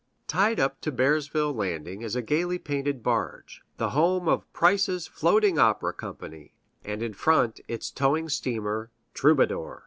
Tied up to Bearsville landing is a gayly painted barge, the home of Price's Floating Opera Company, and in front its towing steamer, "Troubadour."